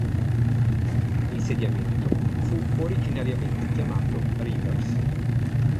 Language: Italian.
L'insediamento fu originariamente chiamato Rivers.